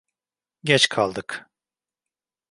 Geç kaldık.